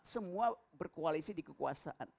semua berkoalisi di kekuasaan